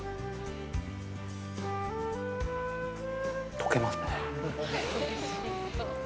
溶けますね！